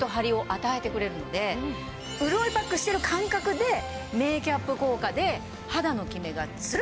潤いパックしてる感覚でメーキャップ効果で肌のキメがツルンとして。